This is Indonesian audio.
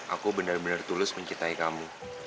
aku benar benar tulus mencintai kamu